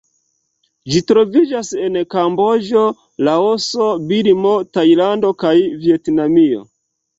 Ĝi troviĝas en Kamboĝo, Laoso, Birmo, Tajlando, kaj Vjetnamio.